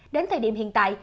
đến thời điểm hiện tại